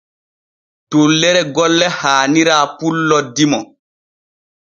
Dullere golle haanira pullo dimo.